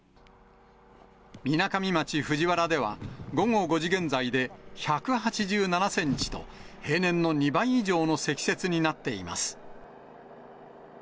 みなかみ町藤原では、午後５時現在で１８７センチと、平年の２倍以上の積雪になっています。